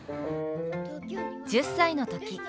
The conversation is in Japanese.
１０歳の時。